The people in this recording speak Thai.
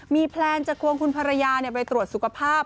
มีแพลนจะควงคุณภรรยาไปตรวจสุขภาพ